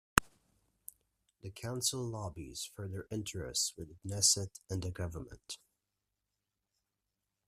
The Council lobbies for their interests with the Knesset and the government.